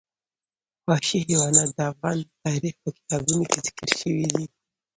وحشي حیوانات د افغان تاریخ په کتابونو کې ذکر شوی دي.